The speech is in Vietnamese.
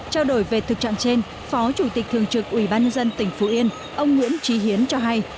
trao đổi về thực trạng trên phó chủ tịch thường trực ubnd tỉnh phú yên ông nguyễn trí hiến cho hay